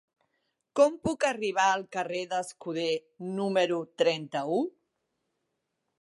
Com puc arribar al carrer d'Escuder número trenta-u?